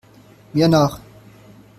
Mir nach!